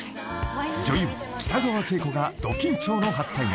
［女優北川景子がド緊張の初対面］